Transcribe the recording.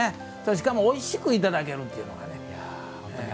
しかも、おいしくいただけるっていうのがね。